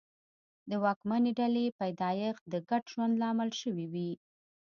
د واکمنې ډلې پیدایښت د ګډ ژوند لامل شوي وي.